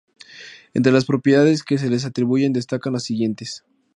Entre las propiedades que se le atribuyen destacan las siguientes.